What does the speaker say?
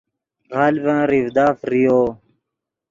غلڤن ریڤدا فریو